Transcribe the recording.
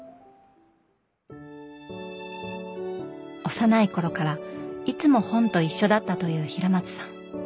幼い頃からいつも本と一緒だったという平松さん